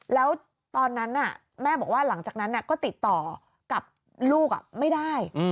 แล้วตอนนั้นแม่บอกว่าหลังจากนั้นก็ติดต่อกับลูกไม่ได้